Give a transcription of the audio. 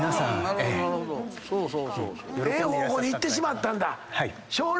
ええ方向に行ってしまったんだ。